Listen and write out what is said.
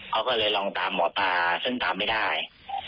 เขาก็เลยลองตามหมอปลาซึ่งตามไม่ได้